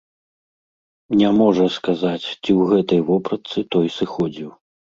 Не можа сказаць, ці ў гэтай вопратцы той сыходзіў.